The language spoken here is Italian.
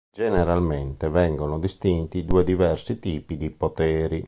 Generalmente vengono distinti due diversi tipi di poteri.